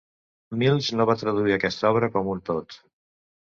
Mills no va traduir aquesta obra com un tot.